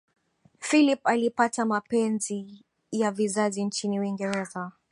philip alipata mapenzi ya vizazi nchini uingereza